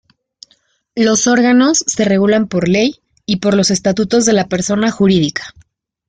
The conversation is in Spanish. Los órganos se regulan por ley y por los estatutos de la persona jurídica.